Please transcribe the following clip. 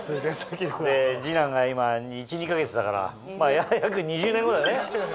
で二男が今１２か月だから約２０年後だね。